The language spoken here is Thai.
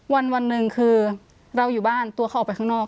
วันหนึ่งคือเราอยู่บ้านตัวเขาออกไปข้างนอก